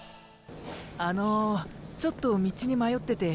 あのちょっと道に迷ってて。